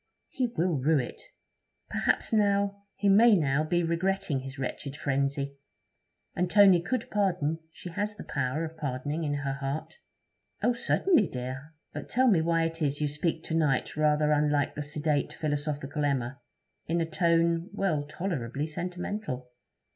'He will rue it. Perhaps now... he may now be regretting his wretched frenzy. And Tony could pardon; she has the power of pardoning in her heart.' 'Oh! certainly, dear. But tell me why it is you speak to night rather unlike the sedate, philosophical Emma; in a tone well, tolerably sentimental?'